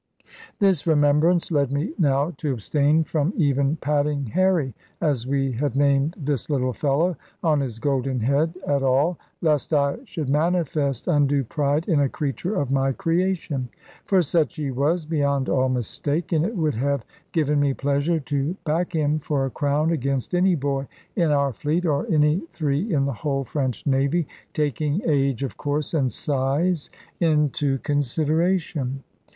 This remembrance led me now to abstain from even patting "Harry" (as we had named this little fellow) on his golden head at all, lest I should manifest undue pride in a creature of my creation. For such he was, beyond all mistake; and it would have given me pleasure to back him for a crown against any boy in our fleet, or any three in the whole French navy; taking age, of course, and size, into consideration.